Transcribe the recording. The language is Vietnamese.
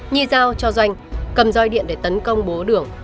nhi giao cho doanh cầm roi điện để tấn công bố đường